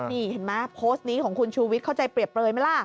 นี่เห็นไหมโพสต์นี้ของคุณชูวิทย์เข้าใจเปรียบเปลยไหมล่ะ